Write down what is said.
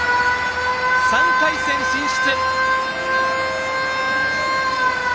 ３回戦進出。